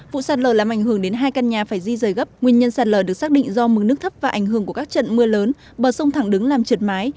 vụ sạt lở làm ảnh hưởng đến hai căn nhà phải di rời gấp nguyên nhân sạt lở được xác định do mức nước thấp và ảnh hưởng của các trận mưa lớn bờ sông thẳng đứng làm trượt mái